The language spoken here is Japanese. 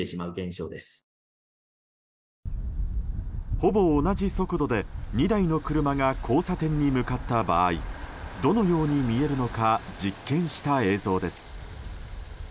ほぼ同じ速度で２台の車が交差点に向かった場合どのように見えるのか実験した映像です。